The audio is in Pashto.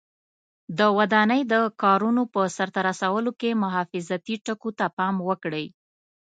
د ودانۍ د کارونو په سرته رسولو کې حفاظتي ټکو ته پام وکړئ.